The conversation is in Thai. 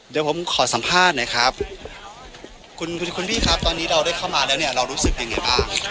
เดี๋ยวผมขอสัมภาษณ์หน่อยครับคุณคุณพี่ครับตอนนี้เราได้เข้ามาแล้วเนี่ยเรารู้สึกยังไงบ้าง